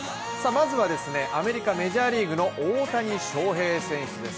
まずはアメリカ、メジャーリーグの大谷翔平選手です。